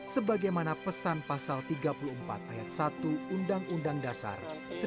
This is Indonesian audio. sebagaimana pesan pasal tiga puluh empat ayat satu undang undang dasar seribu sembilan ratus empat puluh lima